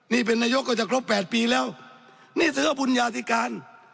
นี่เป็นนายกก็จะครบแปดปีแล้วนี่ถือว่าบุญญาธิการ